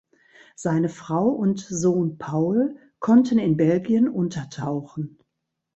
Seine Frau und Sohn Paul konnten in Belgien untertauchen.